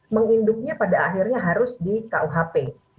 menginduknya pada akhirnya harus di kuhp